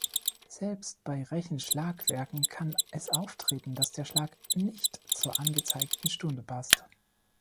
Selbst bei Rechen-Schlagwerken kann es auftreten, dass der Schlag nicht zur angezeigten Stunde passt.